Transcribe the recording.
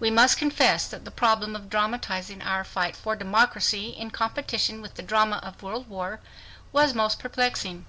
We must confess that the problem of dramatizing our fight for democracy in competition with the drama of a world war, was most perplexing.